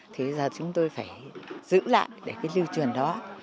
thì giờ chúng tôi phải giữ lại cái lưu truyền đó